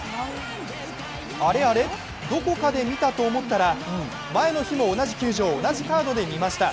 あれあれ、どこかで見たと思ったら前の日も同じ球場同じカードで見ました。